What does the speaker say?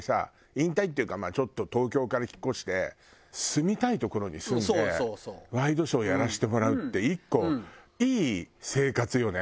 引退っていうかちょっと東京から引っ越して住みたい所に住んでワイドショーやらせてもらうって１個いい生活よね。